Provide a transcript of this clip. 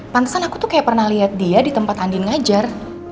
pantasan aku tuh kayak pernah lihat dia di tempat andin ngajar